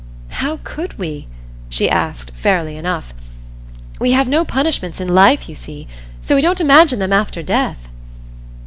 "How could we?" she asked, fairly enough. "We have no punishments in life, you see, so we don't imagine them after death."